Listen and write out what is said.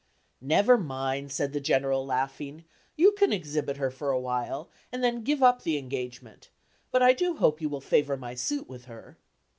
"Never mind," said the General, laughing, "you can exhibit her for a while, and then give up the engagement; but I do hope you will favor my suit with her."